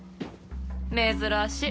珍しい。